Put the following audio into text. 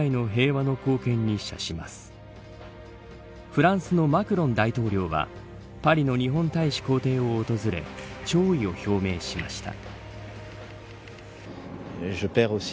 フランスのマクロン大統領はパリの日本大使公邸を訪れ弔意を表明しました。